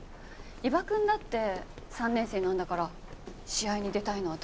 伊庭くんだって３年生なんだから試合に出たいのは当然です。